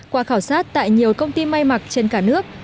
qua khảo sát tại nhiều công ty may mặc trên cả nước